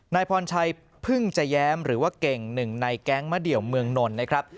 นายพรชัยพึ่งจะแย้มหรือว่าเก่งหนึ่งในแก๊งมะเดี่ยวเมืองนนท์นะครับ